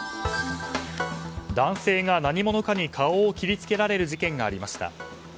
男性が何者かに顔を切りつけられる事件がありました。